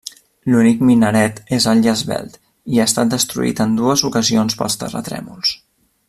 L'únic minaret és alt i esvelt i ha estat destruït en dues ocasions pels terratrèmols.